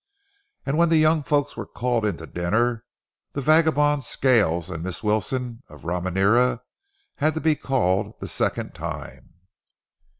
And when the young folks were called in to dinner, the vagabond Scales and Miss Wilson of Ramirena had to be called the second time.